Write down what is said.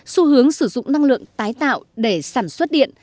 xu hướng sử dụng năng lượng tái tạo để sản xuất điện